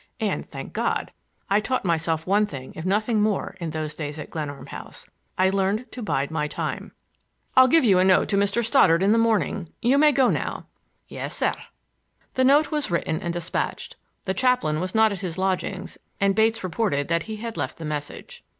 And, thank God! I taught myself one thing, if nothing more, in those days at Glenarm House: I learned to bide my time. "I'll give you a note to Mr. Stoddard in the morning. You may go now." "Yes, sir." The note was written and despatched. The chaplain was not at his lodgings, and Bates reported that he had left the message.